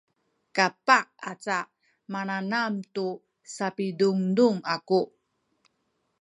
kapah aca minanam tu sapidundun aku